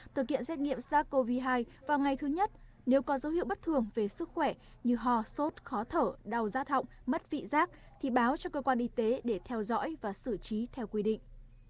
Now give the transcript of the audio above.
thực hiện xét nghiệm sars cov hai vào ngày thứ nhất nếu có dấu hiệu bất thường về sức khỏe như ho sốt khó thở đau giác hỏng mất vị giác thì báo cho cơ quan y tế để theo dõi và xử trí theo quy định